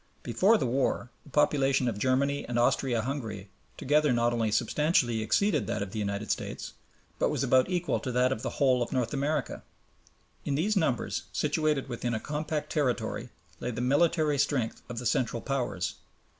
Before the war the population of Germany and Austria Hungary together not only substantially exceeded that of the United States, but was about equal to that of the whole of North America. In these numbers, situated within a compact territory, lay the military strength of the Central Powers.